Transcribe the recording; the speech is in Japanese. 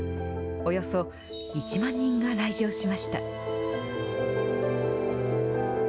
およそ１万人が来場しました。